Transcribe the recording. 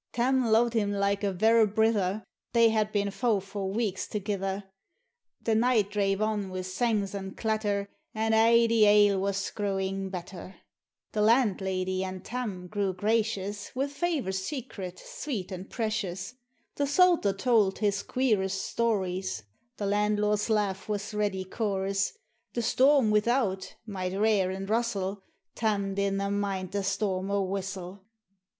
Tarn lo'ed him like a vera brither ; They had been fou for weeks thegither. The night drave on wi' sangs and clatter, And aye the ale was growing better ; 72 POEMS OF FANCY. The landlady and Tarn grew gracious, Wi' favors secret, sweet, and precious ; The souter tauld his queerest stories ; The landlord's laugh was ready chorus ; The storm without might rair and rustle, Tarn did na mind the storm a whistle.